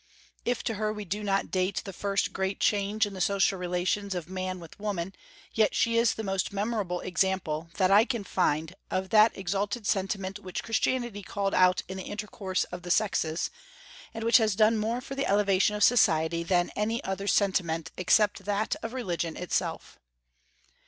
If to her we do not date the first great change in the social relations of man with woman, yet she is the most memorable example that I can find of that exalted sentiment which Christianity called out in the intercourse of the sexes, and which has done more for the elevation of society than any other sentiment except that of religion itself.